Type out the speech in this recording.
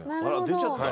出ちゃった？